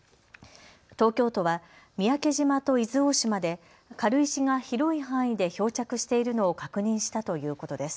東京都は三宅島と伊豆大島で軽石が広い範囲で漂着しているのを確認したということです。